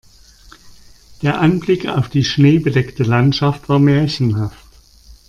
Der Anblick auf die schneebedeckte Landschaft war märchenhaft.